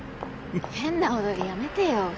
変な踊りやめてよ。